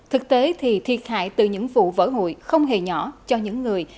thực tế thì thiệt hại từ những vụ vỡ hụi không hề nhỏ cho những người